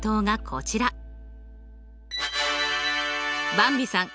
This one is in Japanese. ばんびさん